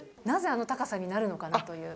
なぜ、あの高さになるのかな